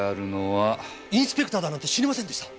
インスペクターだなんて知りませんでした！